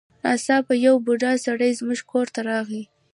ناڅاپه یو بوډا سړی زموږ کور ته راغی.